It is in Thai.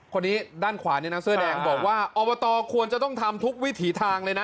คนนี้ด้านขวาเนี่ยนะเสื้อแดงบอกว่าอบตควรจะต้องทำทุกวิถีทางเลยนะ